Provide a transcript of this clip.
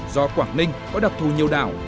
do quảng ninh có đặc thù nhiều đảo